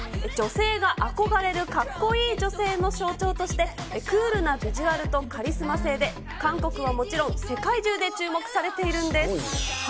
女性が憧れるかっこいい女性の象徴として、クールなビジュアルとカリスマ性で、韓国はもちろん、世界中で注目されているんです。